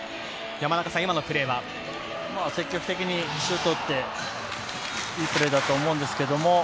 積極的にシュートを打っていいプレーだと思うんですけれども。